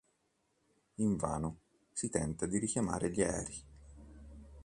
Invano si tenta di richiamare gli aerei.